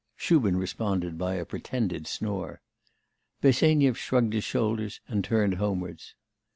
Shubin responded by a pretended snore. Bersenyev shrugged his shoulders and turned homewards.